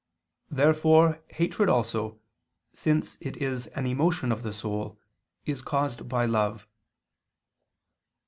Therefore hatred also, since it is an emotion of the soul, is caused by love.